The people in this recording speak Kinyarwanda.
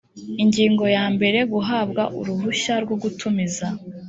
ingingo ya mbere guhabwa uruhushya rwo gutumiza